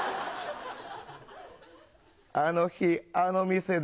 あの日あの店で。